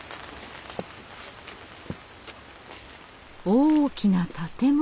大きな建物！